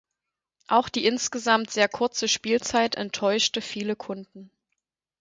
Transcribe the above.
Auch die insgesamt sehr kurze Spielzeit enttäuschte viele Kunden.